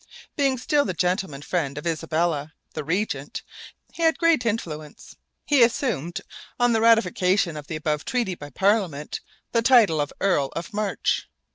Being still the gentleman friend of Isabella, the regent, he had great influence. He assumed, on the ratification of the above treaty by Parliament, the title of Earl of March.